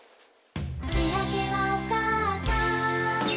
「しあげはおかあさん」